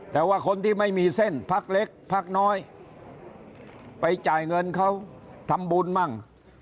แต่ว่าคนที่ไม่มีเส้นพักเล็กพักน้อยไปจ่ายเงินเขาทำบุญมั่ง